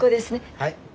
はい。